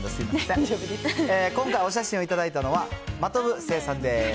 今回、お写真を頂いたのは、真飛聖さんです。